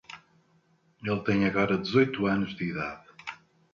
Ele tem agora dezoito anos de idade.